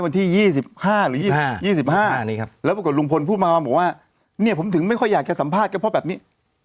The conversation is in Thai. วันที่๒๕หรือ๒๕๒๕แล้วปรากฏลุงพลพูดมาบอกว่าเนี่ยผมถึงไม่ค่อยอยากจะสัมภาษณ์ก็เพราะแบบนี้